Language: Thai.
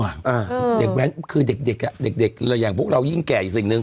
เด็กแว้นคือเด็กเด็กอ่ะเด็กเด็กอย่างพวกเรายิ่งแก่อีกสิ่งหนึ่ง